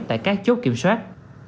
tại các chốt kiểm soát